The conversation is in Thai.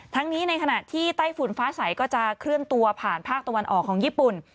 ทั้งนี้ในขณะที่ไต้ฝุ่นฟ้าใสก็จะเคลื่อนตัวผ่านภาคตะวันออกของญี่ปุ่น